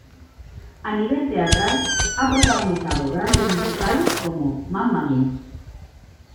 A nivel teatral, ha protagonizado grandes musicales como "Mamma Mia!